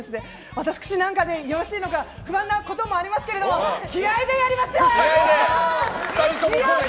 私なんかでよろしいのか不安なこともありますけれども気合でやりますよ！